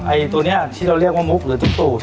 ตัวนี้ที่เราเรียกว่ามุกหรือตุ๊กตู่